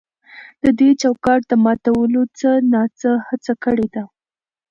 د دې چوکاټ د ماتولو څه نا څه هڅه کړې ده.